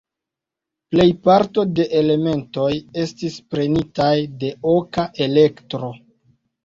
Plejparto de elementoj estis prenitaj de Oka Elektro.